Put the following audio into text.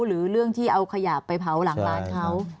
หรือเรื่องที่เอาขยะไปเผาหลังร้านเขา